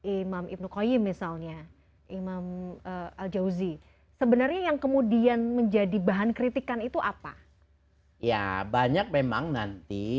imam ibnukoim misalnya imam al jawzi sebenarnya yang kemudian menjadi bahan kritikan itu apa ya banyak memang nanti